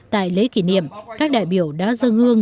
tại lễ kỷ niệm các đại biểu đã dâng hương